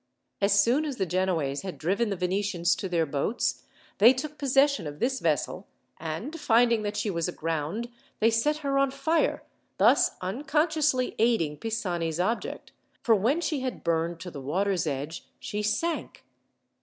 As soon as the Genoese had driven the Venetians to their boats, they took possession of this vessel, and, finding that she was aground, they set her on fire, thus unconsciously aiding Pisani's object, for when she had burned to the water's edge she sank.